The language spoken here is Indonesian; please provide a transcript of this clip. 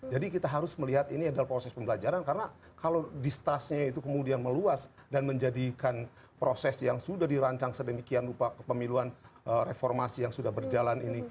jadi kita harus melihat ini adalah proses pembelajaran karena kalau distrustnya itu kemudian meluas dan menjadikan proses yang sudah dirancang sedemikian lupa kepemiluan reformasi yang sudah berjalan ini